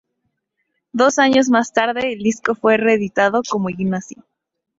Dos años más tarde el disco fue reeditado como "Ignacio".